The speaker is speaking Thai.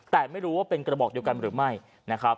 แต่ไม่รู้ว่าเป็นกระบอกเดียวกันหรือไม่นะครับ